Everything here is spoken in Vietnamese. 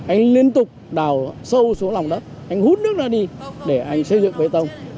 anh liên tục đào sâu xuống lòng đất anh hút nước ra đi để anh xây dựng bê tông